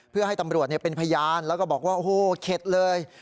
เพื่อให้ตำรวจเป็นพยานแล้วก็บอกว่าโอ้โหเข็ดเลย